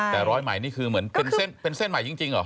แต่ร้อยใหม่นี่คือเหมือนเป็นเส้นใหม่จริงเหรอ